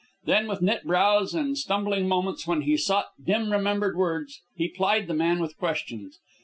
Then, with knit brows and stumbling moments when he sought dim remembered words, he plied the man with questions.